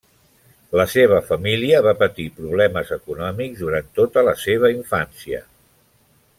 La seva família va patir problemes econòmics durant tota la seva infància.